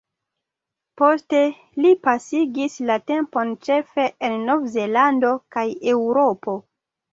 Poste li pasigis la tempon ĉefe en Nov-Zelando kaj Eŭropo.